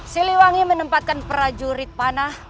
siliwangi menempatkan prajurit panah